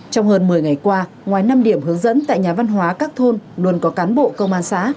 trong hơn một mươi ngày qua ngoài năm điểm hướng dẫn tại nhà văn hóa các thôn luôn có cán bộ công an xã